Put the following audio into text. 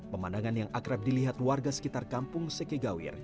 pemandangan yang akrab dilihat warga sekitar kampung sekegawir